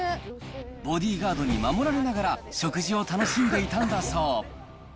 ボディーガードに守られながら、食事を楽しんでいたんだそう。